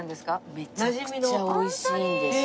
めちゃくちゃおいしいんですよ。